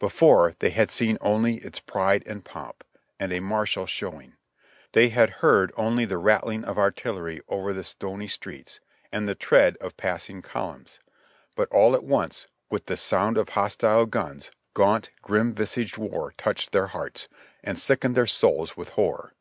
Before, they had seen only its pride and pomp, and a martial showing; they had heard only the rattling of artillery over the stony streets, and the tread of passing columns; but all at once, with the sound of hostile guns, gaunt, grim visaged war touched their hearts, and sickened their souls with horror.